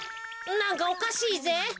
なんかおかしいぜ。